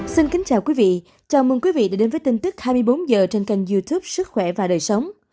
xin kính chào quý vị chào mừng quý vị đã đến với tin tức hai mươi bốn h trên kênh youtube sức khỏe và đời sống